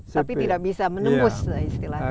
tapi tidak bisa menembus istilahnya